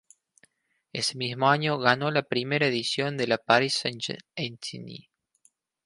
Ese mismo año ganó la primera edición de la Paris-Saint-Étienne.